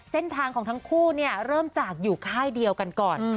เส้นทางของทั้งคู่เริ่มจากอยู่ค่ายเดียวกันก่อน